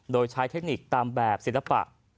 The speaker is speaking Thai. โดยใช้เทคนิคตามแบบศิลปะ